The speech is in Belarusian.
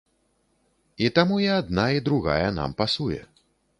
І таму і адна, і другая нам пасуе.